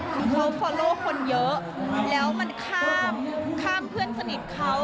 เขาตามคนเยอะแล้วมันข้ามเพื่อนสนิทเขา